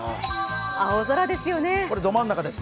青空ですよね。